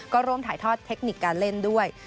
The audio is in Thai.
ก็ร่วมถ่ายทอดเทคนิคการเล่นด้วย